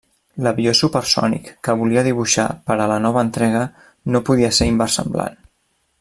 L'avió supersònic que volia dibuixar per a la nova entrega no podia ser inversemblant.